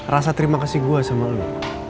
rasa terima kasih gue sama lo